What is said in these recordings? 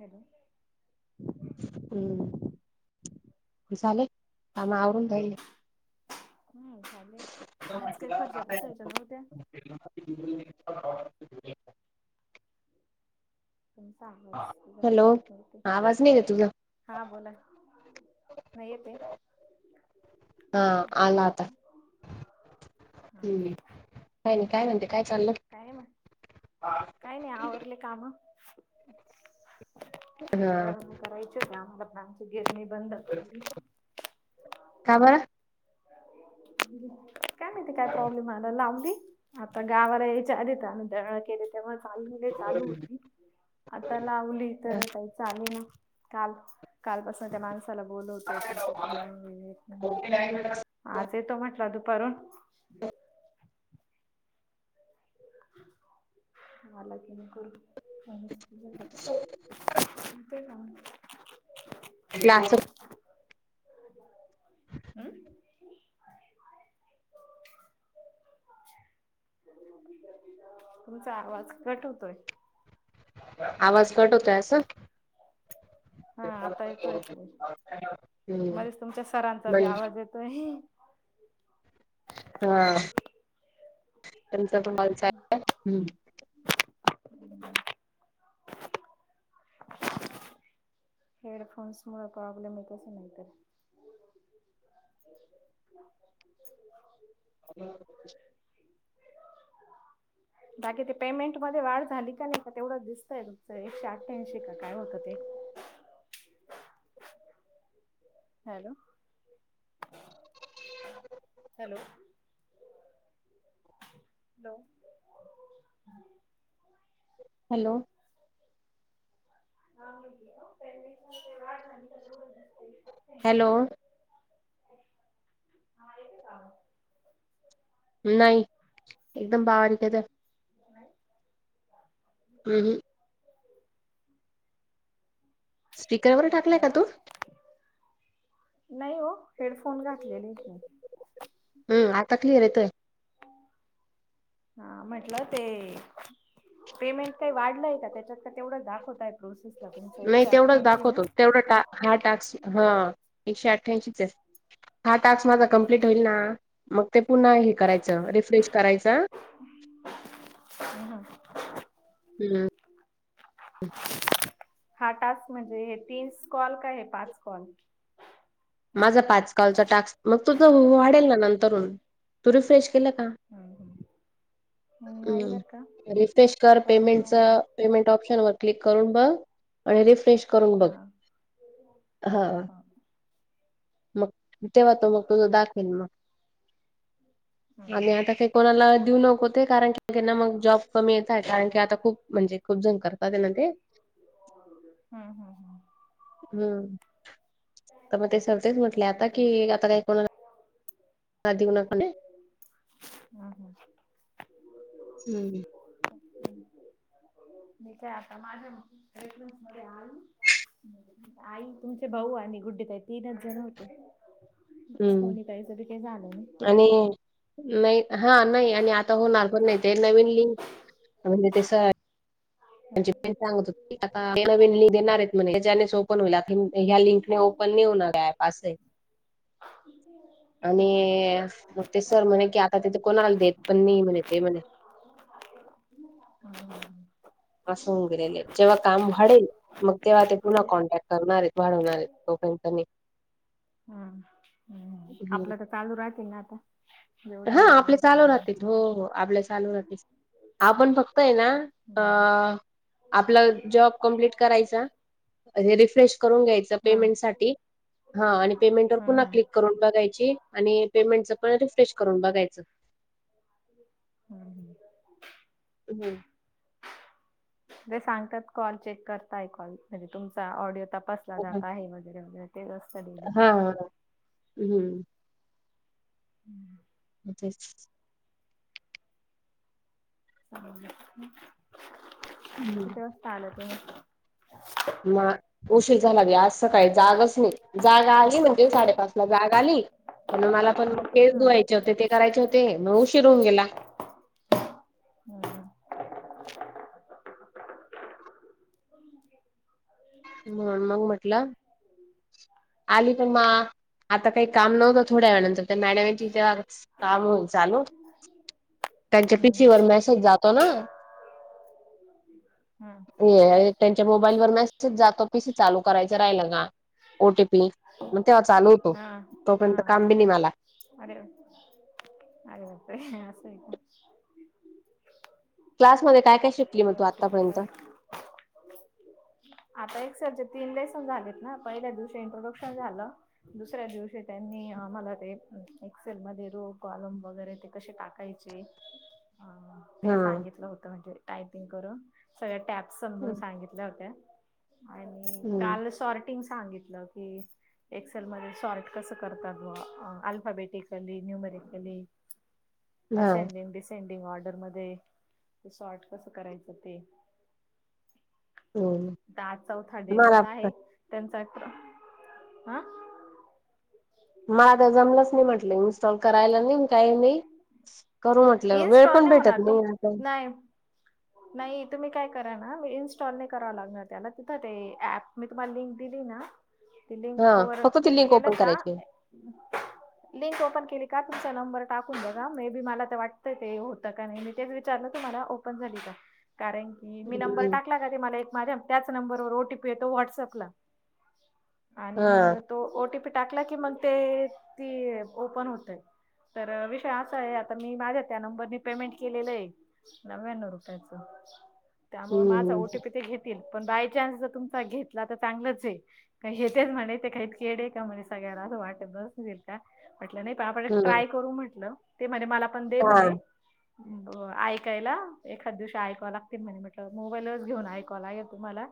Hello. हम्म झाले आम आवरून जाईल. नाही ले आज काही फर्ज पुसायच्या नव्हत्या. मग म पण सहावाज हॅलो घकलेतते. आवाज नाही का तुझा हा बोला नाही येते. हा आला आता ह् का नाही काय म्हणती काय चाललं. काय म काही नाही आवरले काम. हा ळ करायच का आम्हालामची गेरणी बंद खबर. काय माती काय प्रॉब्लेम आला ला अगदी आता गावाला यायच्या आधी त्या दळं केली. तेव चाललेले चालू होती आता लावली तर काही. चाले ना काल कालपासून त्या माणसाला बोलवतोयण तो पण येत नाही. कर आज येतो म्हटला दुपारून. मला क करू का? ते का? आपलाच. मग? तुमचा आवाज कट होतोय. आवाज कट होतय अस. [inaudible] हा आता येतो ऐक हम्म मध्येच तुमच्या सरांचा बी म्हण आवाज येतोय. हा त्यांचा पण मग हम्. ह. हेडफोन्स मु प्रॉब्लेम आहेस नाही तर. हॅ. बाकी ते पेमेंट मध्ये वाढ झाली का नाही का तेवढंच दिसतय तुमचं एकशे अठ्ठ्याऐंशी का काय होतं ते? Hello hello. हॅलो. हॅलो. ह मा वाढला. हॅलो. हा का? नाही एकदम बावारिक तर. हम्. ह ह. स्पीकरवर टाकलाय का म्हटलं तू नाही हो हेडफोन घातलेले आहेत मी हम् आता कलीिर येतय हा म्हटलं ते, पेमेंट काही वाढलंय का त्याच्यात का तेवढाच दाखवतय प्रोसेस नाही तेवढंच दाखवतो तेवढं टा हा टास्क हा एकशे अठ्ठ्यांशीच आहे हा टास्क माझा कम्प्लीट होईल ना, मग ते पुन्हा हे करायचं रिफ्रेश करायचं. अन. हम्म हा टास्क म्हणजे हे तीन कॉल काय हे पाच कॉल माझा पाचकालचा टास्क मग तुझं वाढेल ना नंतरून तू रिफ्रेश केलं का? ह नाही बरं काय हम्म रिफ्रेश कर पेमेंटच पेमेंट ऑप्शन वर क्लिक करून बघ. आणि रिफ्रेश करून हा बघ हा मग तेव्हा तो मग तुझं दाखवेल मग हम आणि आता काही कोणाला देऊ नको ते कारण कीना मग जॉब कमी येत आहे कारण की आता खूप म्हणजे खूप जण करतात त्यांना ते हम्म हम्म हम् हम्म तर मग ते सर तेच म्हटले हम्म आता का. कि आता काही कोणा णाने [inaudible] हम ह हम्म मी काय आता माझ आ आई तुमचे भाऊ आणि गुड्डी ताई तीनच जण होते हम्म सोनीताईच बी काही झालं नाही. आणि नाही हा नाही आणि आ होणार पण नाही ते नवीन लिंक म्हणजे हा. म्ह सांगत हो आता नवीन देणार आहेत म्ह त्याने सो [inaudible] ओ होईल ह्या लिंकनी ओपन नाही होणार् अँप असं आहे. ह आणि मग ते सर म्हणे कि आता तेथे कोणाला देत पण न म्हणे ते म्हणे हम् असून गरले जेव्हा काम वाडेल. मग तेव्हा ते पुन्हा कॉन्टॅक्ट करणार वाढवणार आहेत लोकांकनी हम् हम् हम्म. आपलं तर चालू राहतील ना आता हा जेवढ्यांना आपले दिलंय चालू तेवढ्यांना. राहते हो हो आपले चालू राह आपण फक्त आहे ना अ हम्म आपला जॉब कम्प्लीट करायचा रिफ्रेश करून घ्यायच. हम्म मठीम हम्म हम्म. क् [inaudible] करून बघायची आणि पेमेंट पण रिफ्रेश करून बघायच. हम् हम् हम् े सांगतात कॉल चेक करताय कॉल म्हणजे तुमचा ऑडिओ तपास जात आहे वगैरे वगैरे तेत हा हम्म हम्. तेच हं. किती वाजता आलं तुम्? म उशीर झाला ग आज सकाळी जागच नाही, जाग आली म्हणजे साडेपाच ला जाग आली तर मग मला पण मग केस हम्म धुवायचे होते ते करायचे होते मग उशीर होऊन गेला. हम्म हो मग म्हटलं आली पण मा आता काही काम नव्हतं थोड्या वेळानंतर त्या मॅडमची तेेव काम चालू त्यांच्या हम्म पिथी ववर मेसेज जातो ना [inaudible] हम्म ये त्यांच्या मोबाईल वर मेसेज जातो पिसी चालू करायचं राहिल का? ओटीपी मग तेव्हा चालू होतो हा हा तोपर्यंत काम बी नाही मला अरे बापरे अस हे का? क्लासमध्येध्ये काय काय शिकली मग त्यांनी तू ओटीपी दिला. आत्तापर्यंत आता एक सर चे तीन दिसन झालेत ना पहिल्या दिवशी इंट्रोडक्शन झालं दुसऱ्या दिवशी त्यांनी आम्हाला ते एक्सेल मध्ये रो कॉलम वगैरे ते कसे टाकायचे ते, हा हा ते सांगितलं होतं म्हणजे टायपिंग करून सगळ्या टॅपस समजून सांगितल्या होत्या. आणि हम्म काल सॉर्टिंग सांगितलं की एक्सेल मध्ये शॉर्ट कसं करतात बॉ आल्फाबेटिकली न्युमेरिकली हा असेंडिंग डिसेंडिंग ऑर्डर मध्ये रिसॉर्ट कसं करायचं ते हम्म आता आज चौथा दिवस मला आहे. त्यांचा आ म आता जमलंच नाही म्हटलं इन्स्टॉल करायला नाही, काही नाही. करू म्हटलं वेळ पण भेटत नाही आता. हो नाही तुम्ही काय करा ना मी इन्स्टॉल नाही करावं लागणार त्याला तिथं ते ऍप मी तुम्हाला लिंक दिली ना त हा लिंक वर फक्त ती क्लिक लिंक केलं ओपन का करायची लिंक ओपन केली का तुमचा नंबर टाकून बघा मे बी मला असं वाटत ते होतं की नाही मी तेच विचारलं तुम्हाला होतं की नाही कारण की मी नंबर हम्म टाकला का माझ्या त्याच नंबर वर व्हाट्सअप ला ओटीपी येतो आणि हा मग तो ओटीपी टाकला की मग ते ती ओपन होतय. तर विषय असा आहे आ मी माझ्या त्या नंबरनी पेमेंट केलेलं आहे नव्यान्णव रुपयाचं त्यामुळे हम्म माझा हम्म ओटीपी ते घेतील पण बाय चान्स जर तुमचा घेतला तर चांगलंच आहे. का, हे तेच म्हणे ते काही येडे आहे का म्हणे सगळ्याला असं वाटत बसतील. म्हटलं नाही पण आपण हम्म ट्राय करू म्हटलं ते म्हणे मला पण दे हा म्हणे ऐकायला एखाद दिवशी आयकाव लागतील म्हटलं मोबाईलच घेऊन आयकाव लगेल तुम्हाला.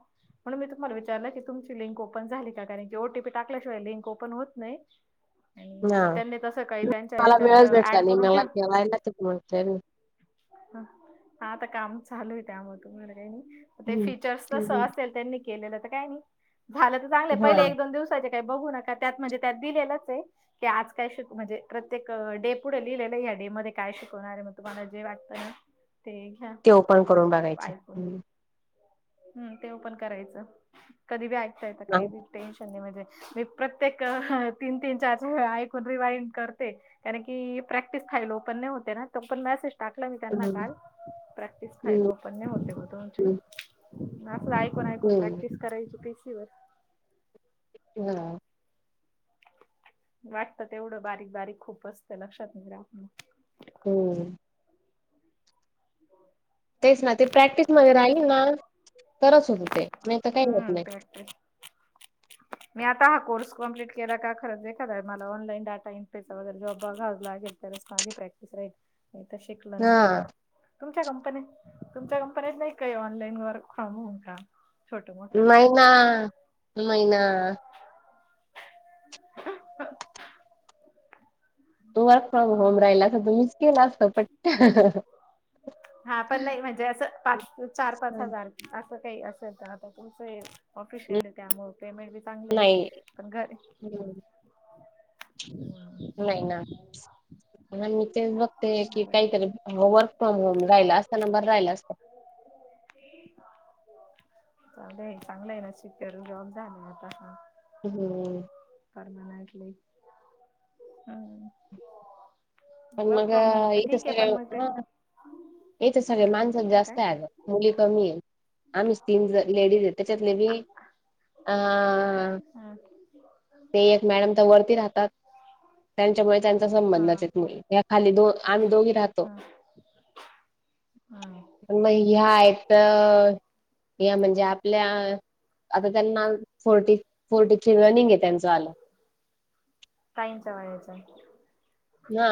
म्हणून मी तुम्हाला विचारलं की तुमची लिंक ओपन झाली का? नाही कारण ओटीपी टाकल्याशिवाय लिंक ओपन होत नाही. आणि हा जर त्यांनी तस काही त्यांच्या मला याच्यात वेळच भेटला ऍड नाही करून ठेव [unintelligible] हा आता काम चालू आहे त्यामुळं तुम्हाला काही नाही. ते हम्म फीचर्स तसं हम्म असेल त्यांनी केलेलं तर काय नाही झालं तर चांगलं हा पहिले एक दोन दिवस का बघू नका त्यात म्हणजे त्यात दिलेलंच ये. की आज काय श म्हणजे प्रत्येक डे पुढे लिहिलेलं या डे मध्ये काय शिकवणार आहे मग तुम्हाला जे वाटतं ना ते घ्या ते ओपन करून बघायचे. हम् तेओपन करायचं कधी बी ऐकता येत काही बी टेन्शन म्हणजे मी प्रत्येक तीन तीन चार वेळा ऐकून रिवाइड करते. कारण की प्रॅक्टिस फाईल ओपन नाही होते ना तो पण म टाकलं मी त्यांना काल प्रॅक्टिस फाईल ओपन् नाय होत ये तुमची. असलं ऐकून ऐकून हम्म प्रॅक्टिस करायच पीसीवर हा वाटतं तेवढं बारीक बारीक खूप असतें लक्षात राहत नाही. हो तेच ना ते प्रॅक्टिसमध्येध्ये राहील ना तरच होत ते नाही तर काही होत नाही. ह मी आ हा कोर्स कम्प्लीट केला का खरंच एखादा मला ऑनलाई डाटा एन्ट्री वैगेरे जॉब बघावं लागेल. तरच माझी प्रॅक्टिस राहील, नाही तर शिकलं आन हा गेलं. तुमच्या कंपनीत तुमच्या कंपनीत नाही का, हे ऑनलाईन वर्क फ्रॉम होन काम? नाही ना, नाही ना. तू वर्क फ्रॉम होम मोठं राहिला असा, तुम्हीच केला असता पट हा पण नाही, म्हणजे असं पाच चार पाच हजार असं काही असं आता तुमचं हाय ऑफिशियल आहे, त्यामुळं पेमेंट बी चांगलं हाय नाही पण घर हम्म. नाही ना. मग मी तेच बघते, की बर काहीतरी हो वर्क फ्रॉम होम राहिला असता ना, बरा राहिला असता. चालू आहे चांगलं आहे ना, सुपेरिया जॉब झाले आता पण हं. परमनंटली. हम्म. पण वर्क मग फ्रॉम होम तर इथं ठीक आहे सगळे पण मग ते हा, इथं सगळे हा माणस इथं काय जास्त आहे आता. मुली कमी आहे. आम्हीच तीन लेडीज आहे, त्याच्यातले बी अं हा ते एक मॅडम तर वरती राहतात. त्यांच्यामुळे त्यां चा संबंध हा मेसेज मुळी. हा या खाली दो आम्ही दोघी राहतो. हा. पण मग ह्या आहेत. या म्हणजे आपल्या आता त्यांना फोर्टी, फोर्टी थ्री रनिंग आहे त्यांचं आलं टाईमचा [unintelligible] हा.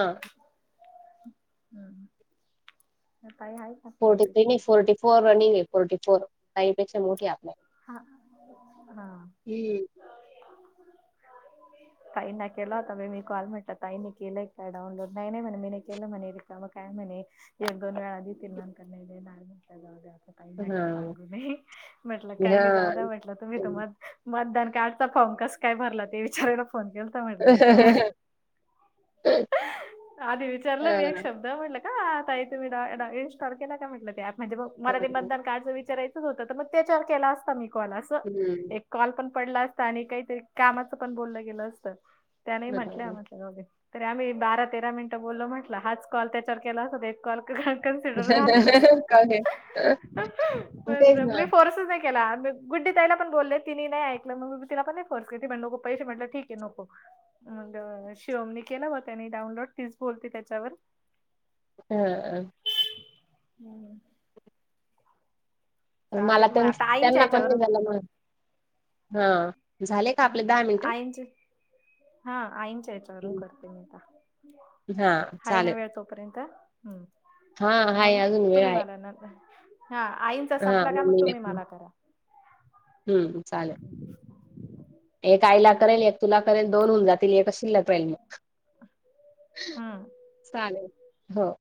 हं. त्या ताई हाईत. फोर्टी थ्री नाही, फोर्टी फोर रनिंग आहे, फोर्टी फोर. ताई पेक्षा मोठी आहे आपल्या. हा हा. हम्म ताईंना केला होत म मी कॉल म्हटलं ताईंनी केलंय का डाउनलोड? नाही नाही म्हणे, मी नाही केला मने रिकामा काय म्हणे. एक दोन वेळा आधी ती नंत नाही देणार म्हंटलं जाऊ दे. असं ताईंना काही सांगू नये म्हटलं. हा काही नाही जाऊ हा द्या म्हटलं तुम्ही तर म मतदान कार्डचा फॉर्म कस काय भरला? ते विचारायला फोन के लता म्हटलं मी तुम्हाला. आधी विचारलं मी एक हा शब् द म्हटलं का आता [unintelligible] इस्टॉल केला का म्हटलं ते ॲप मध्ये? मला ते हा. मतदान कार्डच विचारायचच होतं, तर मग त्याचार केला असता मी कॉल अस हम्म एक कॉल पण पडला असता आणि काहीतरी कामाचंपण बोललं गेलं असतं. त्याने नाही म्हटल्या हा. म्हट ल जाऊदे. तरी आम्ही बारा तेरा मिनिटं बोललो म्हटलं, हाच कॉल त्याच्यावर केला असता कॉल का कन्सिडर झाला असता. तसं तेच पण ना मी फोर्स केला आणि मी गुड्डी ताईला पण बोलले. तिनेही नाही ऐकलं, मग मी तिलापण नाही फोर्स के ते पण नको पैसे म्हटले ठीक आहे नको. शिवमनी केलं होतं नाही डाऊनलोड, तीच बोलते त्याच्यावर. हा अ. हम्म. मला चालेल मग आता आईंच्या त्यांना पण नाही याच्यावरून झालं म हा, झाले का अ आपले दहा मिनटं? हा आईच्या याच्यावरून करते मी आता हा हाय ना चालेल वेळ तोपर्यंत? हम्म. हा हाय मंग अजून वेळ तुम्ही आहे मला ना कर. हा आईंचा हा संपला का, मग मम्मी तुम्ही मला करा. हम्म चालेल. एक आईला करेल, एक तुला करेल. दोन होऊन जातील, एकच शिल्लक. [unintelligible] हम्म. चालेल हो.